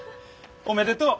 おめでとう。